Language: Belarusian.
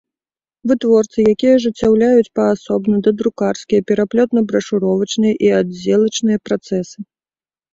Вытворцы, якiя ажыццяўляюць паасобна дадрукарскiя, пераплётна-брашуровачныя i аддзелачныя працэсы.